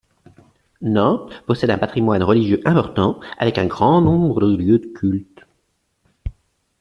Nantes possède un patrimoine religieux important avec un grand nombre de lieux de culte.